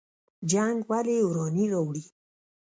جنګ ولې ورانی راوړي؟